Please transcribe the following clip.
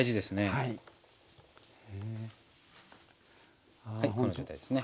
はいこの状態ですね。